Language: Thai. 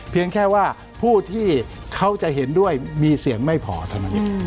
แค่ว่าผู้ที่เขาจะเห็นด้วยมีเสียงไม่พอเท่านั้น